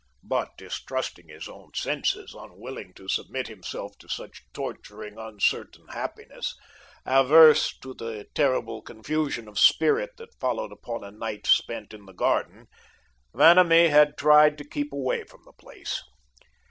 But distrusting his own senses, unwilling to submit himself to such torturing, uncertain happiness, averse to the terrible confusion of spirit that followed upon a night spent in the garden, Vanamee had tried to keep away from the place.